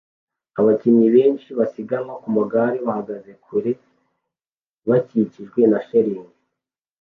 Abakinnyi benshi basiganwa ku magare bahagaze kure bakikijwe na shelegi